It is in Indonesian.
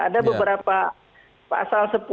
ada beberapa pasal sepuluh